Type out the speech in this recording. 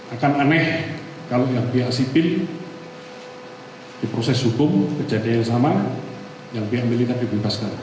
akan aneh kalau yang pihak sipil di proses hukum kejadian yang sama yang pihak militer dibebaskan